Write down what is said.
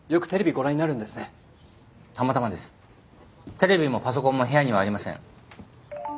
テレビもパソコンも部屋にはありません。